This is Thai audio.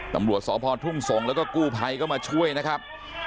ตำรวจสพทุ่งสงศ์แล้วก็กู้ภัยก็มาช่วยนะครับ